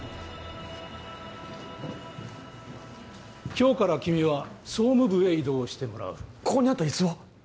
今日から君は総務部へ異動してもらうここにあった椅子は？